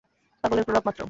পাগলের প্রলাপ মাত্র!